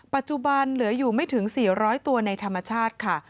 ปัจจุบันเหลืออยู่ไม่ถึง๔๐๐ตัวในธรรมชาติค่ะ